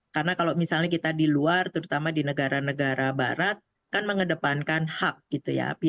karena kalau misalnya kita di luar terutama di negara negara barat kan mengedepankan hak gitu ya